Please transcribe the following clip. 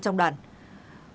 trong hội nghị bộ trưởng asean